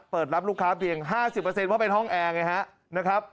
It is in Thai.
เปิดรับลูกค้าเพียง๕๐เพราะเป็นห้องแอร์ไงฮะนะครับ